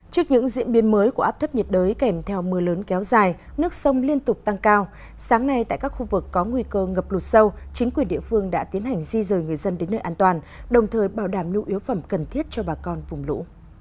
trước những diễn biến mới của áp thấp nhiệt đới kèm theo mưa lớn kéo dài nước sông liên tục tăng cao sáng nay tại các khu vực có nguy cơ ngập lụt sâu chính quyền địa phương đã tiến hành di rời người dân đến nơi an toàn đồng thời bảo đảm nhu yếu phẩm cần thiết cho bà con vùng lũ